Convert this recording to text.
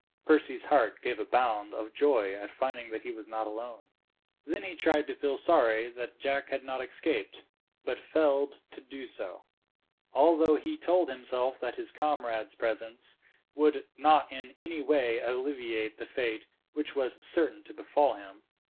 Percy's heart gave a bound of joy at finding that he was not alone. Then he tried to feel sorry that Jack had not escaped, but failed to do so; although he told himself that his comrade's presence would not in any way alleviate the fate which was certain to befall him.